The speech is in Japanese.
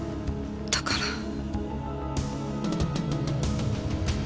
だから。